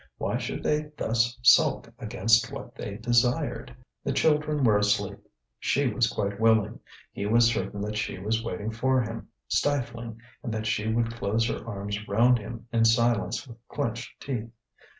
Why should they thus sulk against what they desired? The children were asleep, she was quite willing; he was certain that she was waiting for him, stifling, and that she would close her arms round him in silence with clenched teeth.